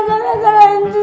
rena ilah maafin njus